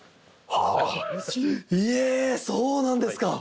ええそうなんですか！